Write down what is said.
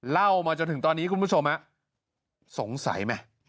เล่ามาจนถึงตอนนี้คุณผู้ชมสงสัยไหม